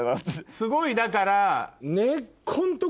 すごいだから。